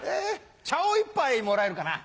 茶を一杯もらえるかな。